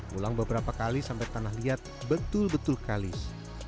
mulai beberapa kali sampai tanah liat betul betul kalis